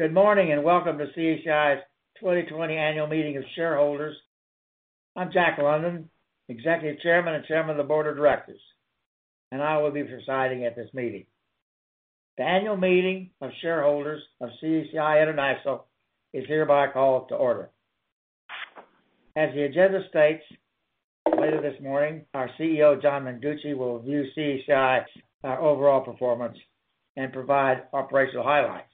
Good morning and welcome to CACI's 2020 Annual Meeting of Shareholders. I'm Jack London, Executive Chairman and Chairman of the Board of Directors, and I will be presiding at this meeting. The Annual Meeting of Shareholders of CACI International is hereby called to order. As the agenda states, later this morning our CEO, John Mengucci, will review CACI's overall performance and provide operational highlights.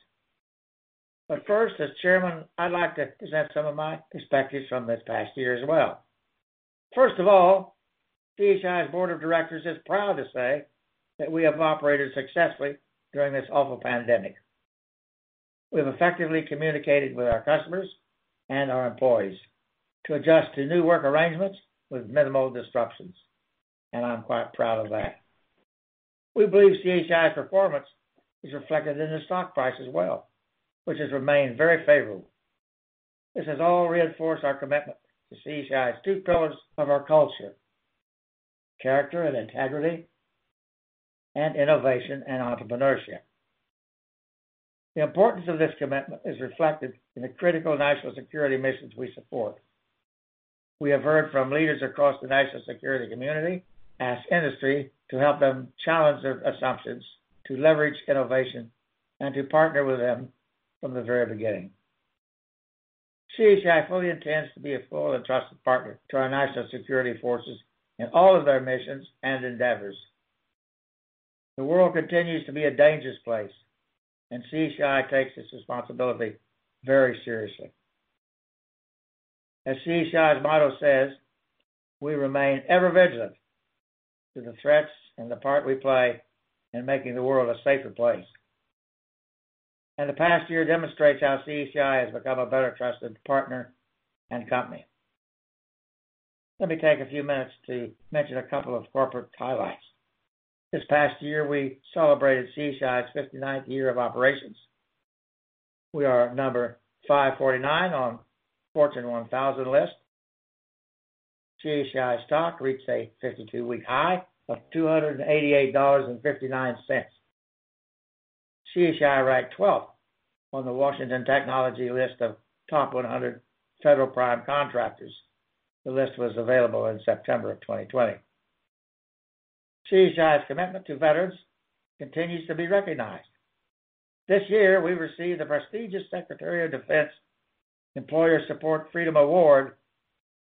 But first, as Chairman, I'd like to present some of my perspectives from this past year as well. First of all, CACI's Board of Directors is proud to say that we have operated successfully during this awful pandemic. We have effectively communicated with our customers and our employees to adjust to new work arrangements with minimal disruptions, and I'm quite proud of that. We believe CACI's performance is reflected in the stock price as well, which has remained very favorable. This has all reinforced our commitment to CACI's two pillars of our culture: character and integrity, and innovation and entrepreneurship. The importance of this commitment is reflected in the critical national security missions we support. We have heard from leaders across the national security community, asked industry to help them challenge their assumptions, to leverage innovation, and to partner with them from the very beginning. CACI fully intends to be a full and trusted partner to our national security forces in all of their missions and endeavors. The world continues to be a dangerous place, and CACI takes its responsibility very seriously. As CACI's motto says, "We remain ever vigilant to the threats and the part we play in making the world a safer place," and the past year demonstrates how CACI has become a better trusted partner and company. Let me take a few minutes to mention a couple of corporate highlights. This past year, we celebrated CACI's 59th year of operations. We are number 549 on Fortune 1000 list. CACI stock reached a 52-week high of $288.59. CACI ranked 12th on the Washington Technology List of Top 100 Federal Prime Contractors. The list was available in September of 2020. CACI's commitment to veterans continues to be recognized. This year, we received the prestigious Secretary of Defense Employer Support Freedom Award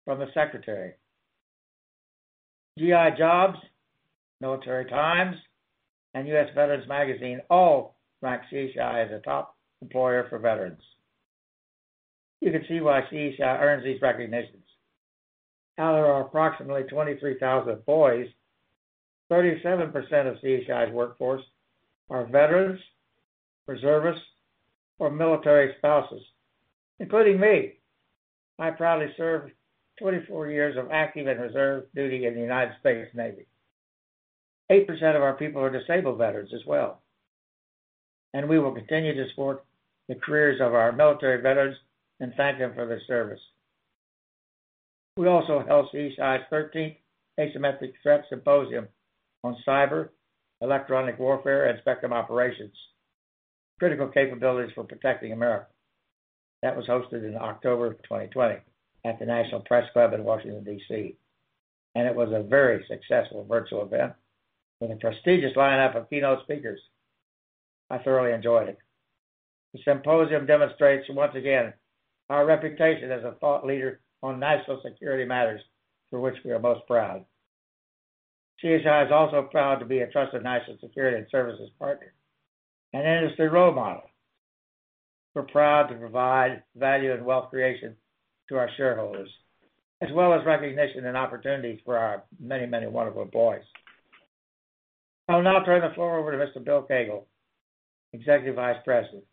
from the Secretary. GI Jobs, Military Times, and U.S. Veterans Magazine all rank CACI as a top employer for veterans. You can see why CACI earns these recognitions. Now, there are approximately 23,000 employees. 37% of CACI's workforce are veterans, reservists, or military spouses, including me. I proudly served 24 years of active and reserve duty in the United States Navy. 8% of our people are disabled veterans as well, and we will continue to support the careers of our military veterans and thank them for their service. We also held CACI's 13th Asymmetric Threat Symposium on Cyber, Electronic Warfare, and Spectrum Operations: Critical Capabilities for Protecting America. That was hosted in October of 2020 at the National Press Club in Washington, D.C., and it was a very successful virtual event with a prestigious lineup of keynote speakers. I thoroughly enjoyed it. The symposium demonstrates once again our reputation as a thought leader on national security matters for which we are most proud. CACI is also proud to be a trusted national security and services partner and industry role model. We're proud to provide value and wealth creation to our shareholders, as well as recognition and opportunities for our many, many wonderful employees. I'll now turn the floor over to Mr. Koegel, Jr., Executive Vice President,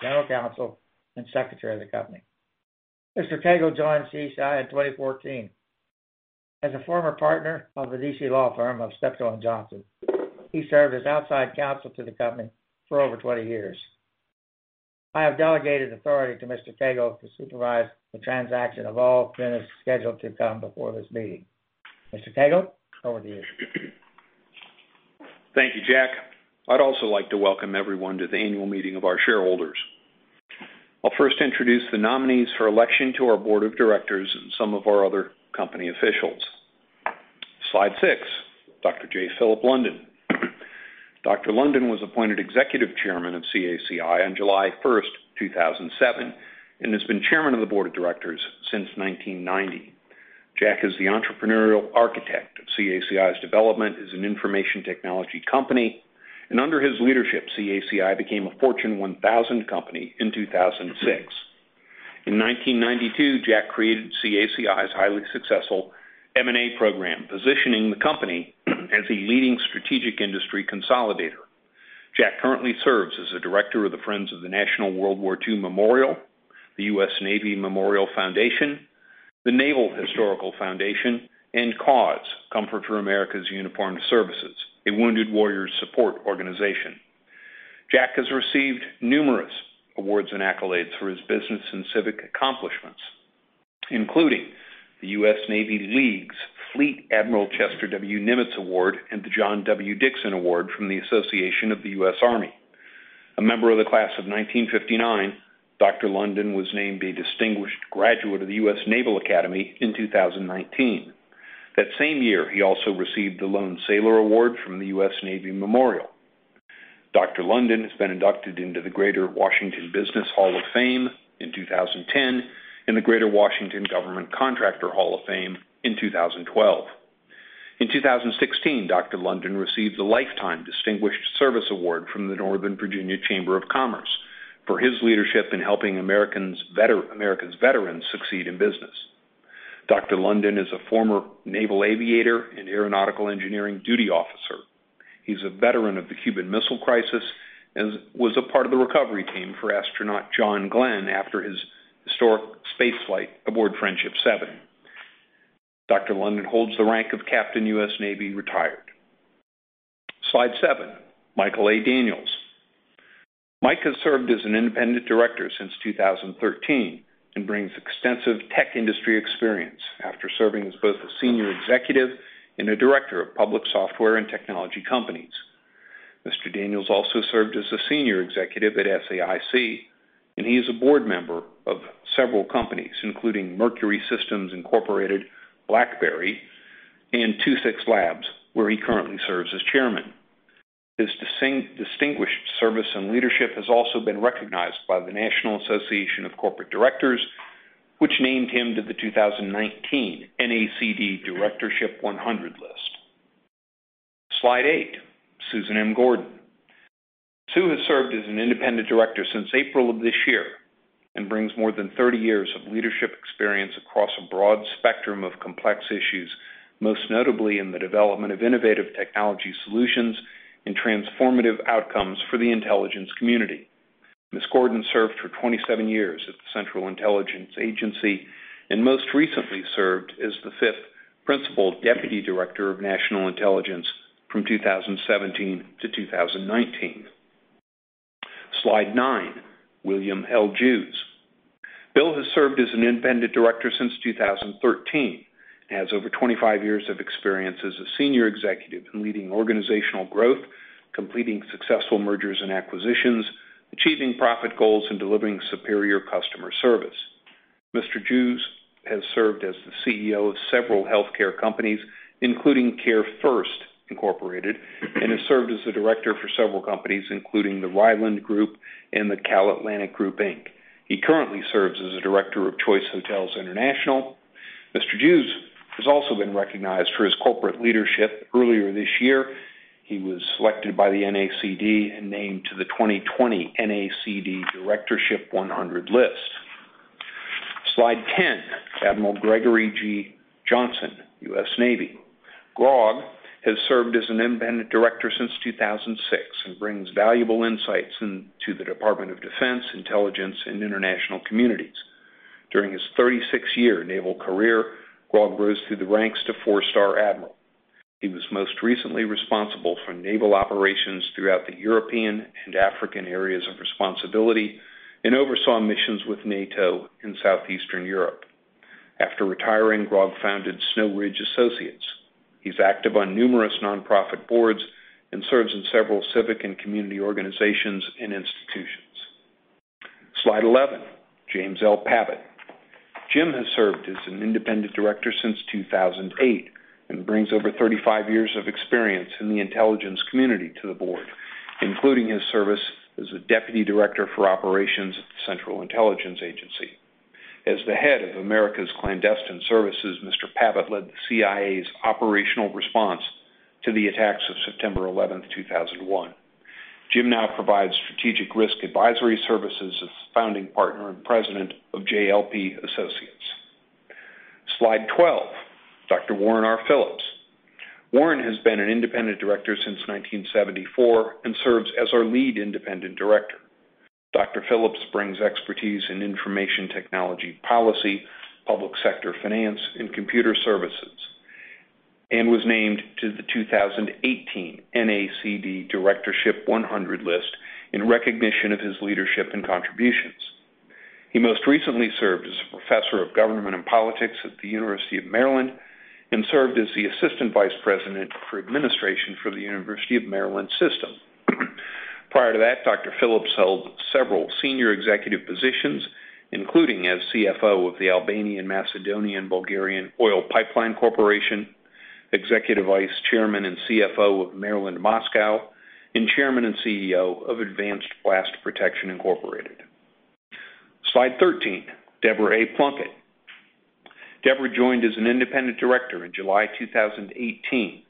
General Counsel, and Secretary of the Company. Mr. Koegel joined CACI in 2014 as a former partner of the D.C. law firm of Steptoe & Johnson. He served as outside counsel to the company for over 20 years. I have delegated authority to Mr. Koegel to supervise the transaction of all things scheduled to come before this meeting. Mr. Koegel, over to you. Thank you, Jack. I'd also like to welcome everyone to the Annual Meeting of our Shareholders. I'll first introduce the nominees for election to our Board of Directors and some of our other Company Officials. Slide 6, Dr. J. Phillip London. Dr. London was appointed Executive Chairman of CACI on July 1, 2007, and has been Chairman of the Board of Directors since 1990. Jack is the entrepreneurial architect of CACI's development as an information technology company, and under his leadership, CACI became a Fortune 1000 company in 2006. In 1992, Jack created CACI's highly successful M&A program, positioning the company as a leading strategic industry consolidator. Jack currently serves as the Director of the Friends of the National World War II Memorial, the U.S. Navy Memorial Foundation, the Naval Historical Foundation, and CAUSE Comfort for America's Uniformed Services, a wounded warriors support organization. Jack has received numerous awards and accolades for his business and civic accomplishments, including the U.S. Navy League's Fleet Admiral Chester W. Nimitz Award and the John W. Dixon Award from the Association of the U.S. Army. A member of the Class of 1959, Dr. London was named a distinguished graduate of the U.S. Naval Academy in 2019. That same year, he also received the Lone Sailor Award from the U.S. Navy Memorial. Dr. London has been inducted into the Greater Washington Business Hall of Fame in 2010 and the Greater Washington Government Contractor Hall of Fame in 2012. In 2016, Dr. London received the Lifetime Distinguished Service Award from the Northern Virginia Chamber of Commerce for his leadership in helping Americans' veterans succeed in business. Dr. London is a former naval aviator and aeronautical engineering duty officer. He's a veteran of the Cuban Missile Crisis and was a part of the recovery team for astronaut John Glenn after his historic spaceflight aboard Friendship 7. Dr. London holds the rank of Captain U.S. Navy Retired. Slide 7, Michael A. Daniels. Mike has served as an independent director since 2013 and brings extensive tech industry experience after serving as both a senior executive and a director of public software and technology companies. Mr. Daniels also served as a senior executive at SAIC, and he is a board member of several companies, including Mercury Systems Incorporated, BlackBerry, and Two Six Labs, where he currently serves as Chairman. His distinguished service and leadership has also been recognized by the National Association of Corporate Directors, which named him to the 2019 NACD Directorship 100 list. Slide 8, Susan M. Gordon. Sue has served as an independent director since April of this year and brings more than 30 years of leadership experience across a broad spectrum of complex issues, most notably in the development of innovative technology solutions and transformative outcomes for the intelligence community. Ms. Gordon served for 27 years at the Central Intelligence Agency and most recently served as the fifth principal deputy director of national intelligence from 2017 to 2019. Slide 9, William L. Jews. Bill has served as an independent director since 2013 and has over 25 years of experience as a senior executive in leading organizational growth, completing successful mergers and acquisitions, achieving profit goals, and delivering superior customer service. Mr. Jews has served as the CEO of several healthcare companies, including CareFirst, Inc., and has served as a director for several companies, including the Ryland Group and the CalAtlantic Group, Inc. He currently serves as a director of Choice Hotels International. Mr. Jews has also been recognized for his corporate leadership. Earlier this year, he was selected by the NACD and named to the 2020 NACD Directorship 100 list. Slide 10, Admiral Gregory G. Johnson, U.S. Navy. Grog has served as an independent director since 2006 and brings valuable insights into the Department of Defense, intelligence, and international communities. During his 36-year naval career, Grog rose through the ranks to four-star admiral. He was most recently responsible for naval operations throughout the European and African areas of responsibility and oversaw missions with NATO in Southeastern Europe. After retiring, Grog founded Snow Ridge Associates. He's active on numerous nonprofit boards and serves in several civic and community organizations and institutions. Slide 11, James L. Pavitt. Jim has served as an independent director since 2008 and brings over 35 years of experience in the intelligence community to the board, including his service as a deputy director for operations at the Central Intelligence Agency. As the head of America's clandestine services, Mr. Pavitt led the CIA's operational response to the attacks of September 11, 2001. Jim now provides strategic risk advisory services as founding partner and president of JLP Associates. Slide 12, Dr. Warren R. Phillips. Warren has been an independent director since 1974 and serves as our lead independent director. Dr. Phillips brings expertise in information technology policy, public sector finance, and computer services, and was named to the 2018 NACD Directorship 100 list in recognition of his leadership and contributions. He most recently served as a professor of government and politics at the University of Maryland and served as the assistant vice president for administration for the University System of Maryland. Prior to that, Dr. Phillips held several senior executive positions, including as CFO of the Albanian Macedonian Bulgarian Oil Corporation, executive vice chairman and CFO of Maryland Moscow, and chairman and CEO of Advanced Blast Protection Incorporated. Slide 13, Deborah A. Plunkett. Deborah joined as an independent director in July 2018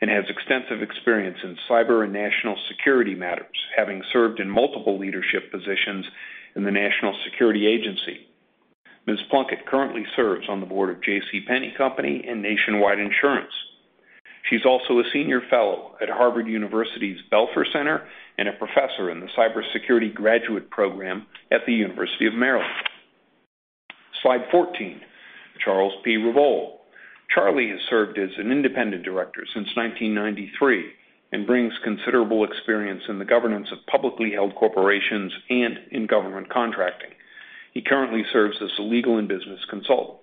and has extensive experience in cyber and national security matters, having served in multiple leadership positions in the National Security Agency. Ms. Plunkett currently serves on the board of J.C. Penney Company and Nationwide Insurance. She's also a senior fellow at Harvard University's Belfer Center and a professor in the Cybersecurity Graduate Program at the University of Maryland. Slide 14, Charles P. Revoile. Charlie has served as an independent director since 1993 and brings considerable experience in the governance of publicly held corporations and in government contracting. He currently serves as a legal and business consultant.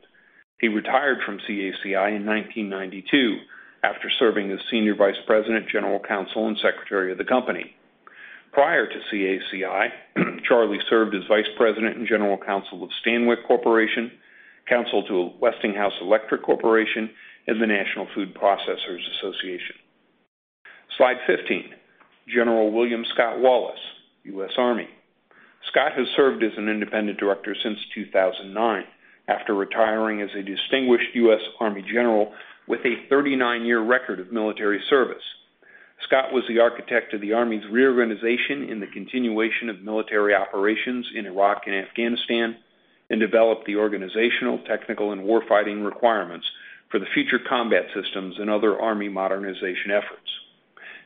He retired from CACI in 1992 after serving as senior vice president, general counsel, and secretary of the company. Prior to CACI, Charlie served as vice president and general counsel of Stanwick Corporation, counsel to Westinghouse Electric Corporation, and the National Food Processors Association. Slide 15, General William Scott Wallace, U.S. Army. Scott has served as an independent director since 2009 after retiring as a distinguished U.S. Army general with a 39-year record of military service. Scott was the architect of the Army's reorganization in the continuation of military operations in Iraq and Afghanistan and developed the organizational, technical, and warfighting requirements for the Future Combat Systems and other Army modernization efforts.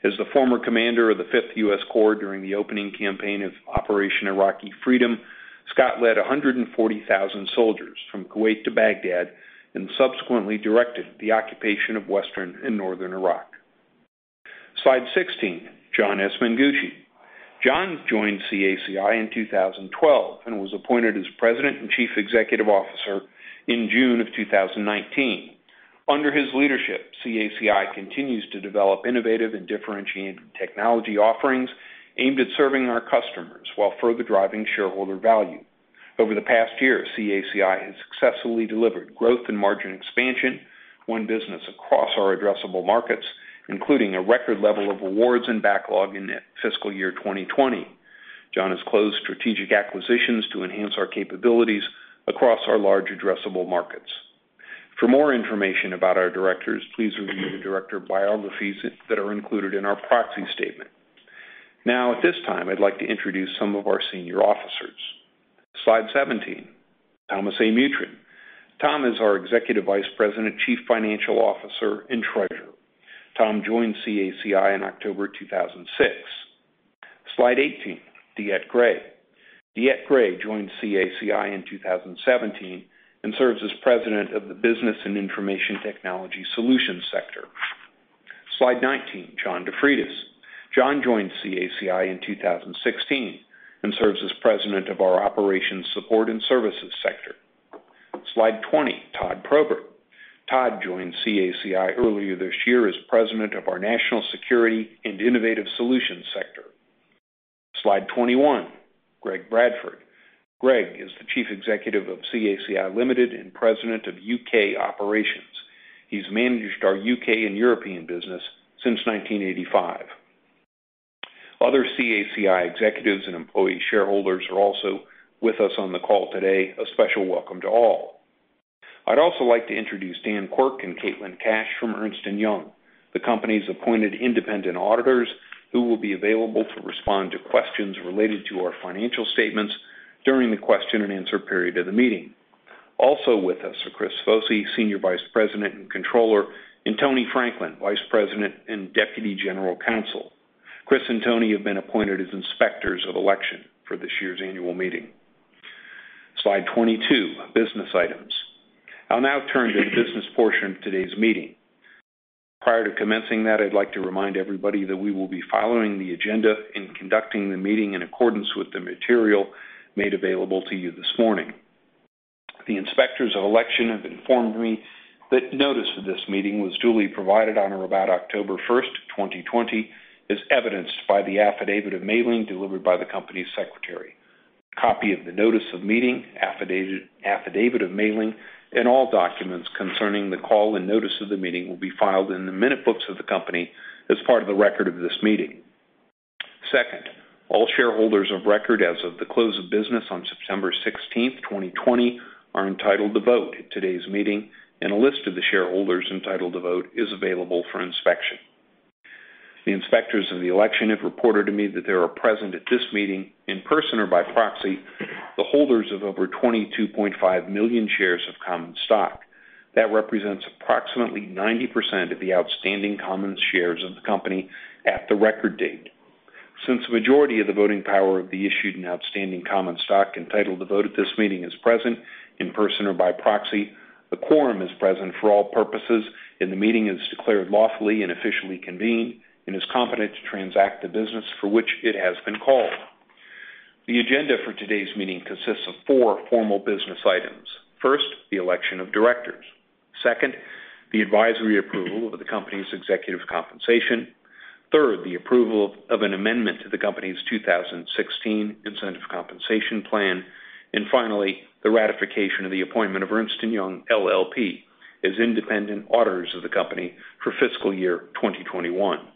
As the former commander of the 5th U.S. Corps during the opening campaign of Operation Iraqi Freedom, Scott led 140,000 soldiers from Kuwait to Baghdad and subsequently directed the occupation of western and northern Iraq. Slide 16, John S. Mengucci. John joined CACI in 2012 and was appointed as president and chief executive officer in June of 2019. Under his leadership, CACI continues to develop innovative and differentiated technology offerings aimed at serving our customers while further driving shareholder value. Over the past year, CACI has successfully delivered growth and margin expansion, won business across our addressable markets, including a record level of awards and backlog in fiscal year 2020. John has closed strategic acquisitions to enhance our capabilities across our large addressable markets. For more information about our directors, please review the director biographies that are included in our proxy statement. Now, at this time, I'd like to introduce some of our senior officers. Slide 17, Thomas A. Mutryn. Tom is our Executive Vice President, Chief Financial Officer, and Treasurer. Tom joined CACI in October 2006. Slide 18, DeEtte Gray. DeEtte Gray joined CACI in 2017 and serves as President of the Business and Information Technology Solutions Sector. Slide 19, John DeFreitas. John joined CACI in 2016 and serves as President of our Operations, Support, and Services Sector. Slide 20, Todd Probert. Todd joined CACI earlier this year as President of our National Security and Innovative Solutions Sector. Slide 21, Greg Bradford. Greg is the Chief Executive of CACI Limited and President of U.K. Operations. He's managed our U.K. and European business since 1985. Other CACI executives and employee shareholders are also with us on the call today. A special welcome to all. I'd also like to introduce Dan Quirk and Katelyn Cash from Ernst & Young, the company's appointed independent auditors who will be available to respond to questions related to our financial statements during the question and answer period of the meeting. Also with us are Chris Foshee, Senior Vice President and Controller, and Tony Franklin, Vice President and Deputy General Counsel. Chris and Tony have been appointed as inspectors of election for this year's annual meeting. Slide 22, business items. I'll now turn to the business portion of today's meeting. Prior to commencing that, I'd like to remind everybody that we will be following the agenda and conducting the meeting in accordance with the material made available to you this morning. The inspectors of election have informed me that notice for this meeting was duly provided on or about October 1, 2020, as evidenced by the affidavit of mailing delivered by the company's secretary. A copy of the notice of meeting, affidavit of mailing, and all documents concerning the call and notice of the meeting will be filed in the minute books of the company as part of the record of this meeting. Second, all shareholders of record as of the close of business on September 16, 2020, are entitled to vote at today's meeting, and a list of the shareholders entitled to vote is available for inspection. The inspectors of the election have reported to me that there are present at this meeting in person or by proxy the holders of over 22.5 million shares of common stock. That represents approximately 90% of the outstanding common shares of the company at the record date. Since the majority of the voting power of the issued and outstanding common stock entitled to vote at this meeting is present in person or by proxy, the quorum is present for all purposes, and the meeting is declared lawfully and officially convened and is competent to transact the business for which it has been called. The agenda for today's meeting consists of four formal business items. First, the election of directors. Second, the advisory approval of the company's executive compensation. Third, the approval of an amendment to the company's 2016 incentive compensation plan. And finally, the ratification of the appointment of Ernst & Young LLP as independent auditors of the company for fiscal year 2021.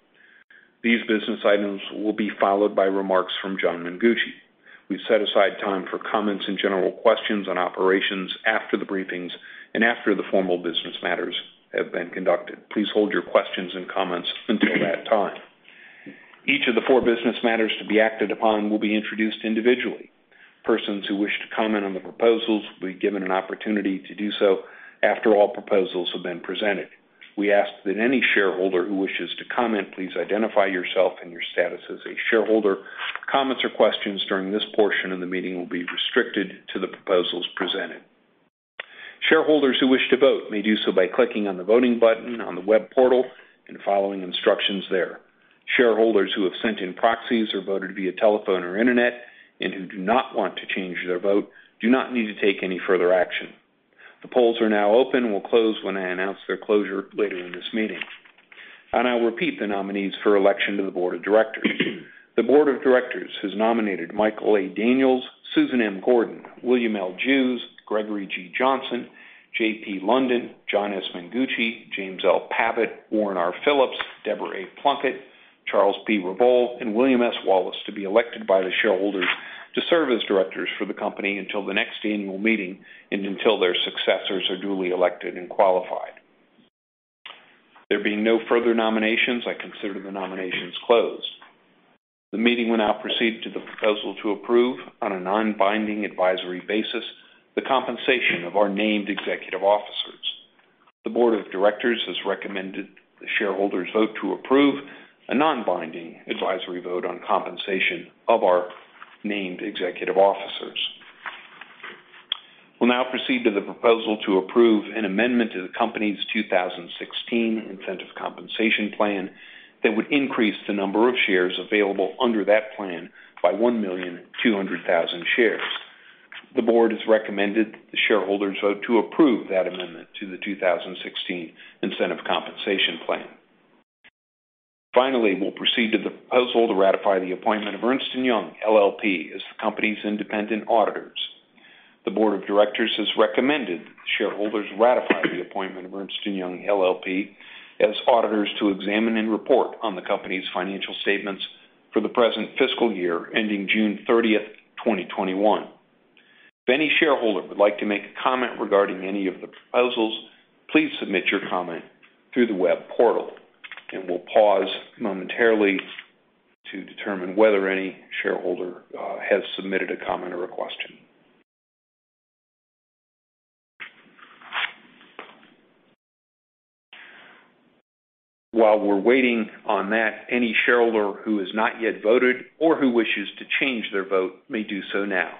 These business items will be followed by remarks from John Mengucci. We've set aside time for comments and general questions on operations after the briefings and after the formal business matters have been conducted. Please hold your questions and comments until that time. Each of the four business matters to be acted upon will be introduced individually. Persons who wish to comment on the proposals will be given an opportunity to do so after all proposals have been presented. We ask that any shareholder who wishes to comment please identify yourself and your status as a shareholder. Comments or questions during this portion of the meeting will be restricted to the proposals presented. Shareholders who wish to vote may do so by clicking on the voting button on the web portal and following instructions there. Shareholders who have sent in proxies or voted via telephone or internet and who do not want to change their vote do not need to take any further action. The polls are now open and will close when I announce their closure later in this meeting. And I'll repeat the nominees for election to the board of directors. The board of directors has nominated Michael A. Daniels, Susan M. Gordon, William L. Jews, Gregory G. Johnson, J.P. London, John S. Mengucci, James L. Pavitt, Warren R. Phillips, Deborah A. Plunkett, Charles P. Revoile, and William S. Wallace to be elected by the shareholders to serve as directors for the company until the next annual meeting and until their successors are duly elected and qualified. There being no further nominations, I consider the nominations closed. The meeting will now proceed to the proposal to approve on a non-binding advisory basis the compensation of our named executive officers. The board of directors has recommended the shareholders vote to approve a non-binding advisory vote on compensation of our named executive officers. We'll now proceed to the proposal to approve an amendment to the company's 2016 incentive compensation plan that would increase the number of shares available under that plan by 1,200,000 shares. The board has recommended the shareholders vote to approve that amendment to the 2016 incentive compensation plan. Finally, we'll proceed to the proposal to ratify the appointment of Ernst & Young LLP as the company's independent auditors. The board of directors has recommended the shareholders ratify the appointment of Ernst & Young LLP as auditors to examine and report on the company's financial statements for the present fiscal year ending June 30, 2021. If any shareholder would like to make a comment regarding any of the proposals, please submit your comment through the web portal, and we'll pause momentarily to determine whether any shareholder has submitted a comment or a question. While we're waiting on that, any shareholder who has not yet voted or who wishes to change their vote may do so now.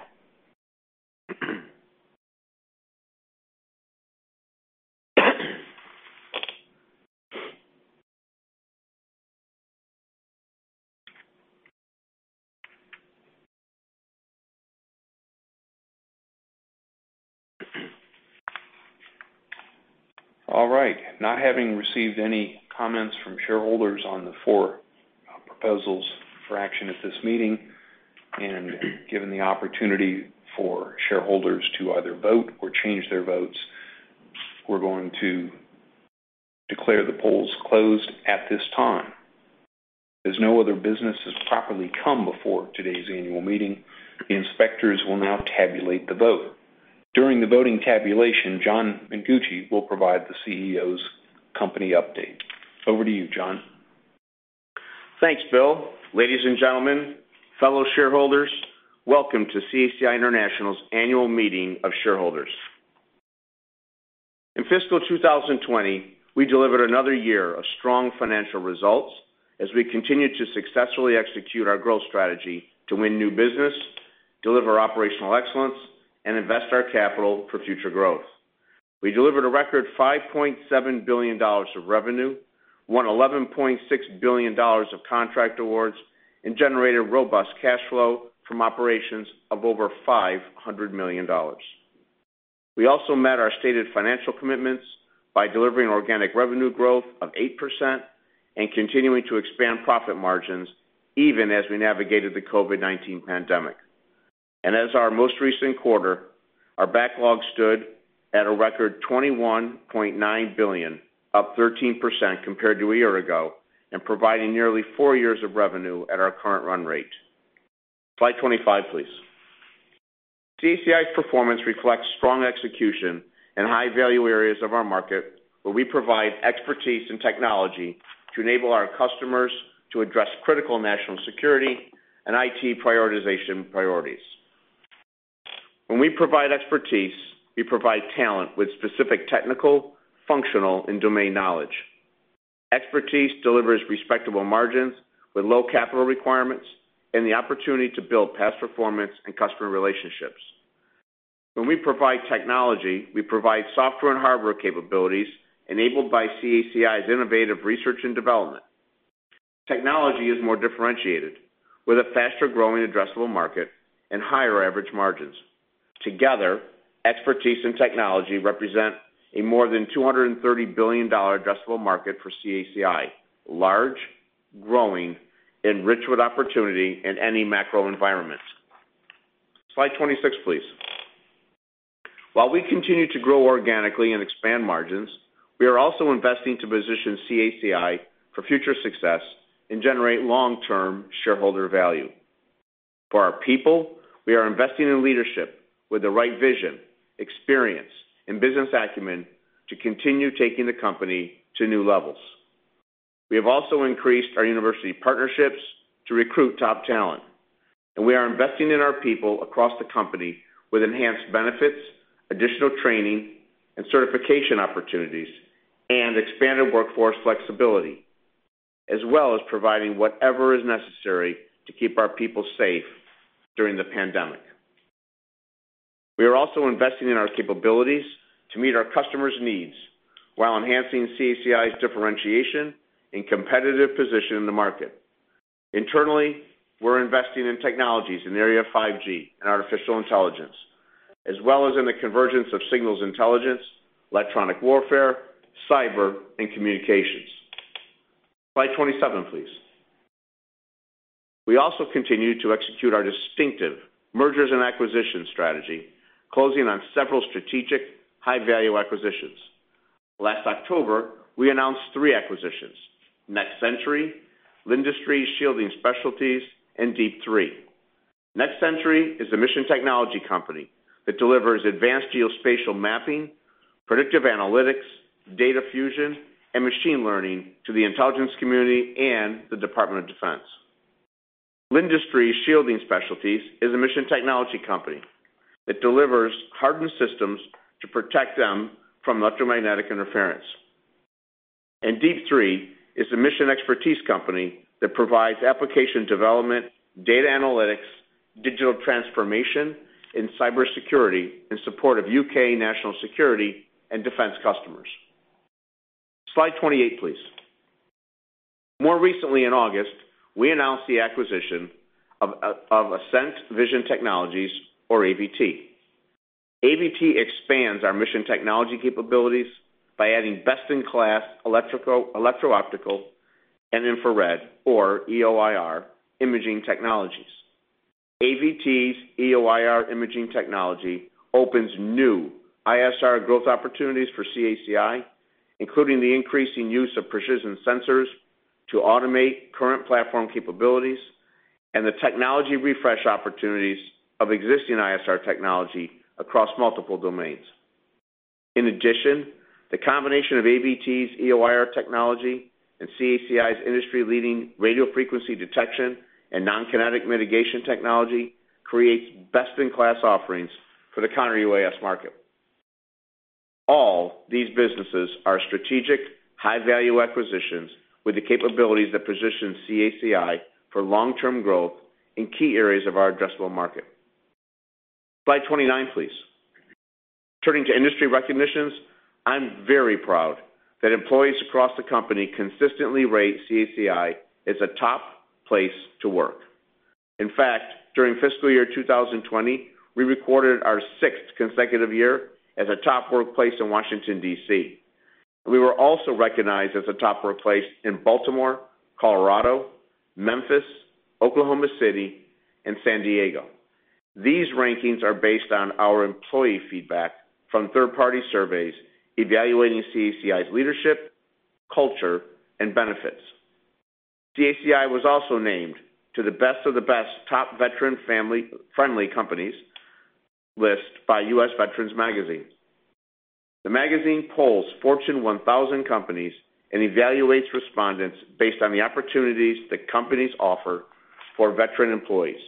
All right. Not having received any comments from shareholders on the four proposals for action at this meeting and given the opportunity for shareholders to either vote or change their votes, we're going to declare the polls closed at this time. As no other business has properly come before today's annual meeting, the inspectors will now tabulate the vote. During the voting tabulation, John Mengucci will provide the CEO's company update. Over to you, John. Thanks, Bill. Ladies and gentlemen, fellow shareholders, welcome to CACI International's annual meeting of shareholders. In fiscal 2020, we delivered another year of strong financial results as we continued to successfully execute our growth strategy to win new business, deliver operational excellence, and invest our capital for future growth. We delivered a record $5.7 billion of revenue, won $11.6 billion of contract awards, and generated robust cash flow from operations of over $500 million. We also met our stated financial commitments by delivering organic revenue growth of 8% and continuing to expand profit margins even as we navigated the COVID-19 pandemic, and as our most recent quarter, our backlog stood at a record $21.9 billion, up 13% compared to a year ago, and providing nearly four years of revenue at our current run rate. Slide 25, please. CACI's performance reflects strong execution and high-value areas of our market where we provide expertise and technology to enable our customers to address critical national security and IT prioritization priorities. When we provide expertise, we provide talent with specific technical, functional, and domain knowledge. Expertise delivers respectable margins with low capital requirements and the opportunity to build past performance and customer relationships. When we provide technology, we provide software and hardware capabilities enabled by CACI's innovative research and development. Technology is more differentiated with a faster-growing addressable market and higher average margins. Together, expertise and technology represent a more than $230 billion addressable market for CACI, large, growing, enriched with opportunity in any macro environment. Slide 26, please. While we continue to grow organically and expand margins, we are also investing to position CACI for future success and generate long-term shareholder value. For our people, we are investing in leadership with the right vision, experience, and business acumen to continue taking the company to new levels. We have also increased our university partnerships to recruit top talent, and we are investing in our people across the company with enhanced benefits, additional training, and certification opportunities, and expanded workforce flexibility, as well as providing whatever is necessary to keep our people safe during the pandemic. We are also investing in our capabilities to meet our customers' needs while enhancing CACI's differentiation and competitive position in the market. Internally, we're investing in technologies in the area of 5G and artificial intelligence, as well as in the convergence of signals intelligence, electronic warfare, cyber, and communications. Slide 27, please. We also continue to execute our distinctive mergers and acquisitions strategy, closing on several strategic high-value acquisitions. Last October, we announced three acquisitions: Next Century, Lindsley Shielding Specialties, and Deep3. Next Century is a mission technology company that delivers advanced geospatial mapping, predictive analytics, data fusion, and machine learning to the intelligence community and the Department of Defense. Lindsley Shielding Specialties is a mission technology company that delivers hardened systems to protect them from electromagnetic interference, and Deep3 is a mission expertise company that provides application development, data analytics, digital transformation, and cybersecurity in support of UK national security and defense customers. Slide 28, please. More recently, in August, we announced the acquisition of Ascent Vision Technologies, or AVT. AVT expands our mission technology capabilities by adding best-in-class electro-optical and infrared, or EO/IR, imaging technologies. AVT's EO/IR imaging technology opens new ISR growth opportunities for CACI, including the increasing use of precision sensors to automate current platform capabilities and the technology refresh opportunities of existing ISR technology across multiple domains. In addition, the combination of AVT's EO/IR technology and CACI's industry-leading radio frequency detection and non-kinetic mitigation technology creates best-in-class offerings for the counter-UAS market. All these businesses are strategic, high-value acquisitions with the capabilities that position CACI for long-term growth in key areas of our addressable market. Slide 29, please. Turning to industry recognitions, I'm very proud that employees across the company consistently rate CACI as a top place to work. In fact, during fiscal year 2020, we recorded our sixth consecutive year as a top workplace in Washington, D.C. We were also recognized as a top workplace in Baltimore, Colorado, Memphis, Oklahoma City, and San Diego. These rankings are based on our employee feedback from third-party surveys evaluating CACI's leadership, culture, and benefits. CACI was also named to the Best of the Best Top Veteran Friendly Companies list by U.S. Veterans Magazine. The magazine polls Fortune 1000 companies and evaluates respondents based on the opportunities that companies offer for veteran employees,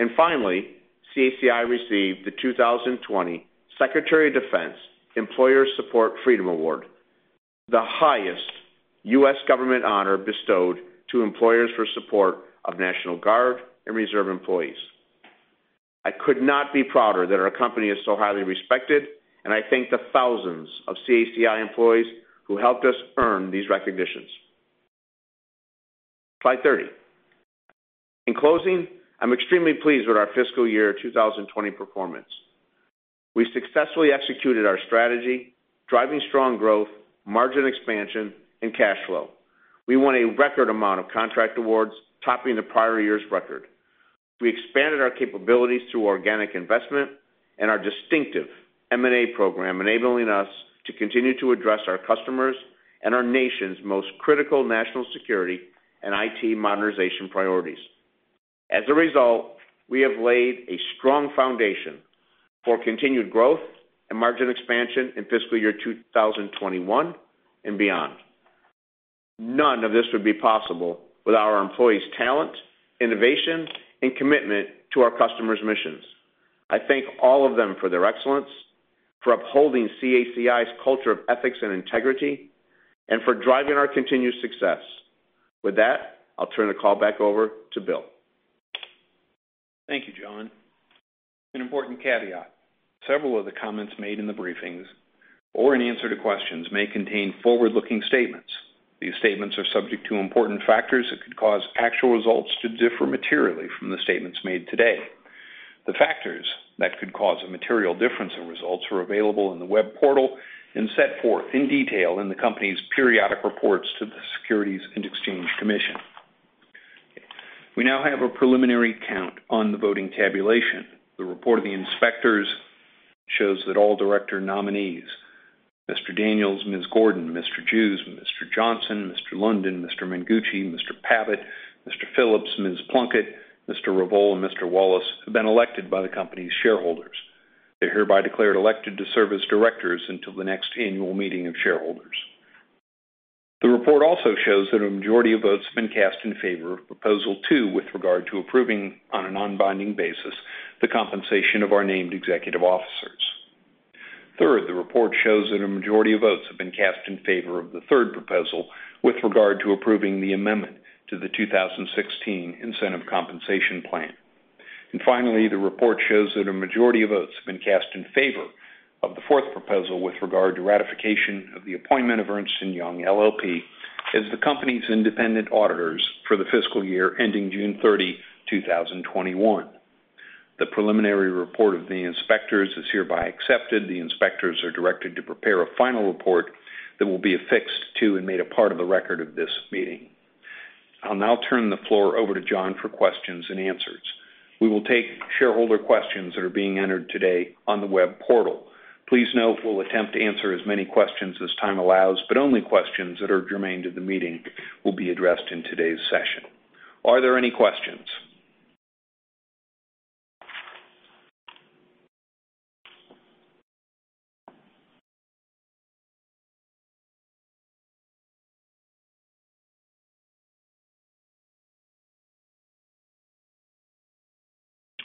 and finally, CACI received the 2020 Secretary of Defense Employer Support Freedom Award, the highest U.S. government honor bestowed to employers for support of National Guard and reserve employees. I could not be prouder that our company is so highly respected, and I thank the thousands of CACI employees who helped us earn these recognitions. Slide 30. In closing, I'm extremely pleased with our fiscal year 2020 performance. We successfully executed our strategy, driving strong growth, margin expansion, and cash flow. We won a record amount of contract awards, topping the prior year's record. We expanded our capabilities through organic investment and our distinctive M&A program, enabling us to continue to address our customers and our nation's most critical national security and IT modernization priorities. As a result, we have laid a strong foundation for continued growth and margin expansion in fiscal year 2021 and beyond. None of this would be possible without our employees' talent, innovation, and commitment to our customers' missions. I thank all of them for their excellence, for upholding CACI's culture of ethics and integrity, and for driving our continued success. With that, I'll turn the call back over to Bill. Thank you, John. An important caveat: several of the comments made in the briefings or in answer to questions may contain forward-looking statements. These statements are subject to important factors that could cause actual results to differ materially from the statements made today. The factors that could cause a material difference in results are available in the web portal and set forth in detail in the company's periodic reports to the Securities and Exchange Commission. We now have a preliminary count on the voting tabulation. The report of the inspectors shows that all director nominees, Mr. Daniels, Ms. Gordon, Mr. Jews, Mr. Johnson, Mr. London, Mr. Mengucci, Mr. Pavitt, Mr. Phillips, Ms. Plunkett, Mr. Revoile, and Mr. Wallace, have been elected by the company's shareholders. They hereby declared elected to serve as directors until the next annual meeting of shareholders. The report also shows that a majority of votes have been cast in favor of proposal two with regard to approving on an unbinding basis the compensation of our named executive officers. Third, the report shows that a majority of votes have been cast in favor of the third proposal with regard to approving the amendment to the 2016 incentive compensation plan. Finally, the report shows that a majority of votes have been cast in favor of the fourth proposal with regard to ratification of the appointment of Ernst & Young LLP as the company's independent auditors for the fiscal year ending June 30, 2021. The preliminary report of the inspectors is hereby accepted. The inspectors are directed to prepare a final report that will be affixed to and made a part of the record of this meeting. I'll now turn the floor over to John for questions and answers. We will take shareholder questions that are being entered today on the web portal. Please note we'll attempt to answer as many questions as time allows, but only questions that are germane to the meeting will be addressed in today's session. Are there any questions?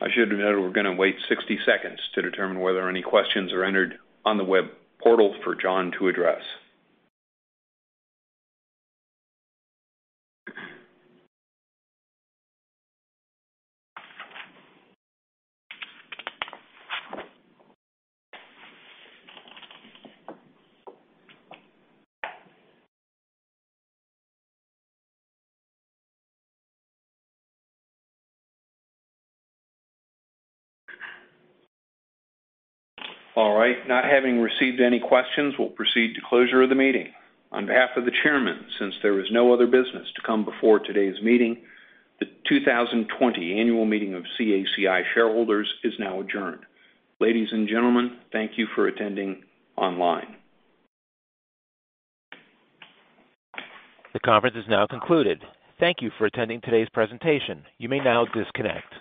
I should have noted we're going to wait 60 seconds to determine whether any questions are entered on the web portal for John to address. All right. Not having received any questions, we'll proceed to closure of the meeting. On behalf of the chairman, since there is no other business to come before today's meeting, the 2020 annual meeting of CACI shareholders is now adjourned. Ladies and gentlemen, thank you for attending online. The conference is now concluded. Thank you for attending today's presentation. You may now disconnect.